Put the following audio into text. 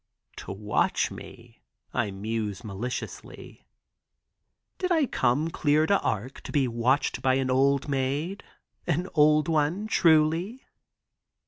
"To watch me!" I muse maliciously. "Did I come, clear to Arc to be watched by an old maid, an old one truly?"